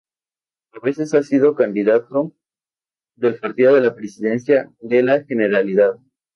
A veces ha sido el candidato del partido a la Presidencia de la Generalidad.